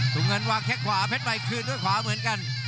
มุมเงินวางแค่ขวาเพชรใหม่คืนด้วยขวาเหมือนกัน